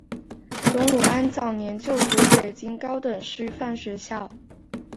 董鲁安早年就读于北京高等师范学校。